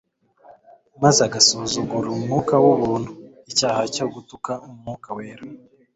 maze agasuzugura umwuka w'ubuntu. Icyaha cyo gutuka Umwuka Wera,